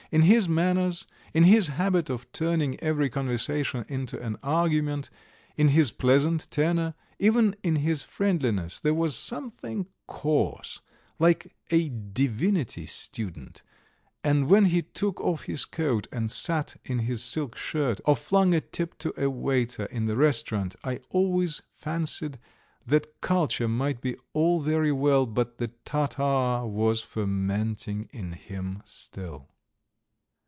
In his manners, in his habit of turning every conversation into an argument, in his pleasant tenor, even in his friendliness, there was something coarse, like a divinity student, and when he took off his coat and sat in his silk shirt, or flung a tip to a waiter in the restaurant, I always fancied that culture might be all very well, but the Tatar was fermenting in him still.